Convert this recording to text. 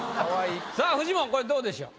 さあフジモンこれどうでしょう？